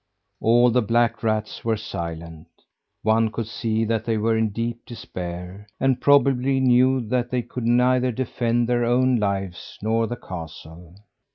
All the black rats were silent. One could see that they were in deep despair, and probably knew that they could neither defend their own lives nor the castle.